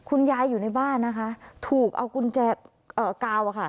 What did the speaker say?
คุณยายอยู่ในบ้านนะคะถูกเอากุญแจกาวอะค่ะ